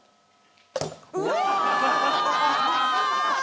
うわ！